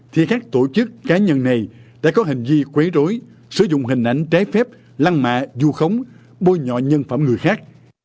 thì các tổ chức cá nhân này đã có hình di quấy rối sử dụng hình ảnh trái phép lăn mạ du khống bôi nhọ nhân phẩm người khác